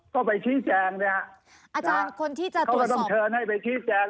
ก็ไปชี้แจงอาจารย์คนที่จะตรวจสอบเขาต้องเชิญให้ไปชี้แจง